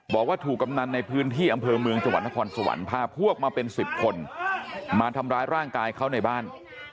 บอกว่าถูกกำนันในพื้นที่อำเภอเมืองจังหวัดนครสวรรค์พาพวกมาเป็น๑๐คนมาทำร้ายร่างกายเขาในบ้าน